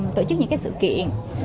tổ chức những sự kiện